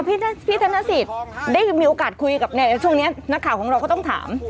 พี่ธนสิทธิ์ได้มีโอกาสคุยกับช่วงนี้นักข่าวของเราก็ต้องถาม